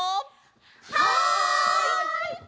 はい！